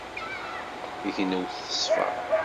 Tignewt teṣfa